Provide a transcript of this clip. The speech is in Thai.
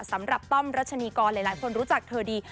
สำหรับป้อมรัชนีกรหลายคนรู้จักเธอดี